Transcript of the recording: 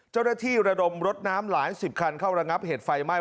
เจ้าหน้าที่ระดมรถน้ำหลาย๑๐คันเข้าระงับเหตุไฟไม้